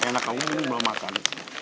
enak umumnya ini belum makan